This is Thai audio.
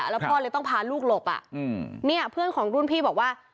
แล้วพ่อเลยต้องพาลูกหลบเนี่ยเพื่อนของรุ่นพี่บอกว่า